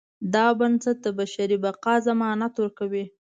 دا بنسټ د بشري بقا ضمانت ورکوي.